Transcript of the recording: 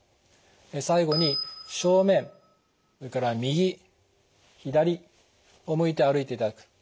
最後に正面それから右左を向いて歩いていただく。